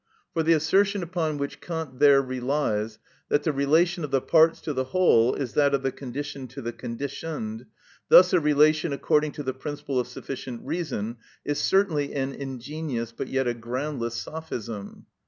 For the assertion upon which Kant there relies, that the relation of the parts to the whole is that of the condition to the conditioned, thus a relation according to the principle of sufficient reason, is certainly an ingenious but yet a groundless sophism.